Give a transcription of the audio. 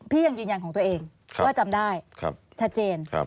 ยังยืนยันของตัวเองว่าจำได้ชัดเจน